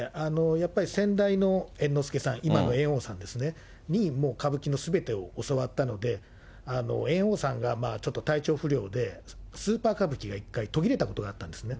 やっぱり先代の猿之助さん、今の猿翁さんですね、に、もう歌舞伎のすべてを教わったので、猿翁さんがちょっと体調不良で、スーパー歌舞伎が１回、途切れたことがあったんですね。